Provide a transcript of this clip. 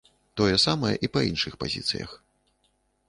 Тое самае і па іншых пазіцыях.